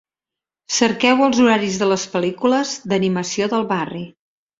Cerqueu els horaris de les pel·lícules d'animació del barri.